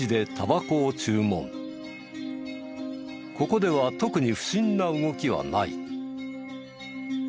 ここでは特に不審な動きはない。